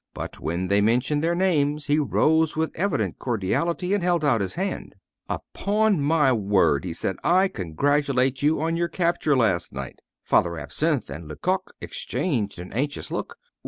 But when they mentioned their names, he rose with evident cordiality, and held out his hand. "Upon my word!" said he, "I congratulate you on your capture last night." Father Absinthe and Lecoq exchanged an anxious look.